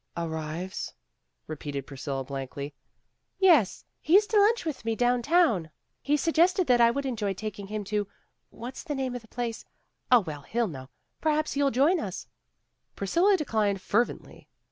"Arrives?" repeated Priscilla blankly. "Yes, he's to lunch with me down town. He MISTRESS AND MAID 153 suggested that I would enjoy taking him to what's the name of the place? Oh, well, he'll know. Perhaps you 11 join us." Priscilla declined fervently.